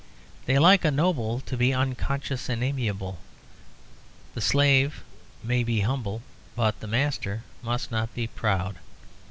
They like a noble to be unconscious and amiable: the slave may be humble, but the master must not be proud.